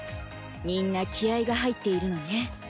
みんな気合いが入っているのね。